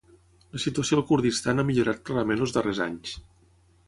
La situació al Kurdistan ha millorat clarament els darrers anys.